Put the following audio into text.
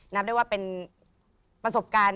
นับได้ว่าเป็นประสบการณ์